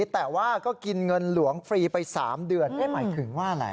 แต่ว่าก็กินเงินหลวงฟรีไป๓เดือนหมายถึงว่าอะไร